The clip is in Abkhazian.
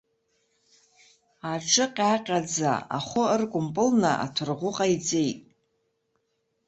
Аҿы ҟьаҟьаӡа, ахәы ыркәымпылны аҭәырӷәы ҟаиҵеит.